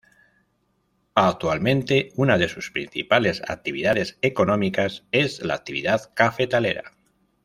Actualmente una de sus principales actividades económicas es la actividad cafetalera.